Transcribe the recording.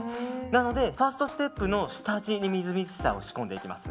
なので、ファーストステップの下地にみずみずしさを仕込んでいきます。